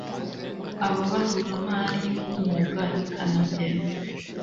Ababaruramari b Umwuga rikanagena